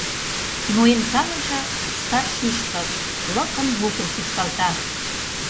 Но эн талыже — сар шӱшпык, Лыкын-лукын шӱшкалта.